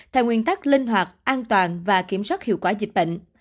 theo nguyên tắc linh hoạt an toàn và kiểm soát hiệu quả dịch bệnh